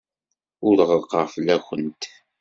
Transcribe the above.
Ur ɣellqeɣ fell-awent.